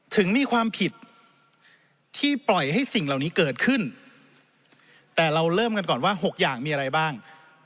ถึงมีความผิดที่ปล่อยให้สิ่งเหล่านี้เกิดขึ้นแต่เราเริ่มกันก่อนว่า๖อย่างมีอะไรบ้าง